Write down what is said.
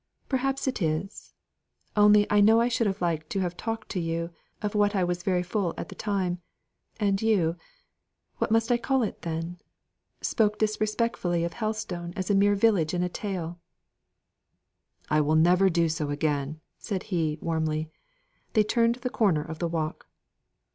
"Perhaps it is. Only I know I should have liked to have talked to you of what I was very full at the time, and you what must I call it then? spoke disrespectfully of Helstone as a mere village in a tale." "I will never do so again," said he, warmly. They turned the corner of the walk.